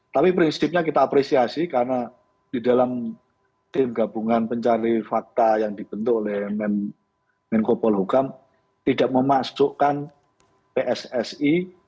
tapi prinsipnya kita apresiasi karena di dalam tim gabungan pencari fakta yang dibentuk oleh menko polhukam tidak memasukkan pssi